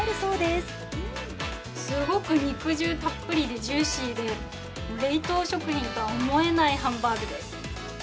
すごく肉汁たっぷりでジューシーで冷凍食品とは思えないハンバーグです。